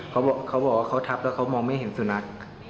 เขาบอกว่าเขาทับแล้วเขามองไม่เห็นสุนัข